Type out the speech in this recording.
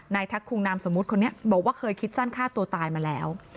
ทักคงนามสมมุติคนนี้บอกว่าเคยคิดสั้นฆ่าตัวตายมาแล้ว